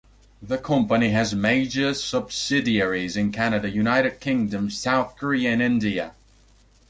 The company has major subsidiaries in Canada, United Kingdom, South Korea and India.